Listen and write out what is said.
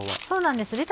そうなんです。